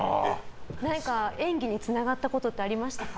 何か演技につながったことってありましたか？